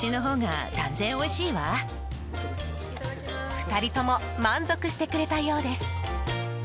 ２人とも満足してくれたようです。